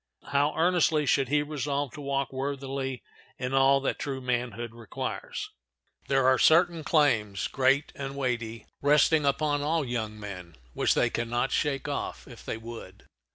How earnestly should he resolve to walk worthily in all that true manhood requires! There are certain claims, great and weighty, resting upon all young men which they can not shake off if they would.